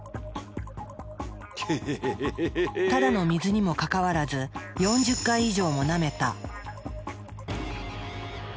ただの水にもかかわらず４０回以上もなめた。